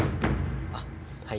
あっはい。